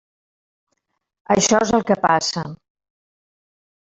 Això és el que passa.